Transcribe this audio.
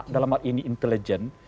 dalam hal ini intelijen